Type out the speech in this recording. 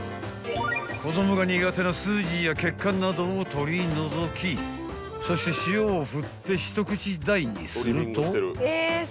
［子供が苦手な筋や血管などを取り除きそして塩を振って一口大にすると］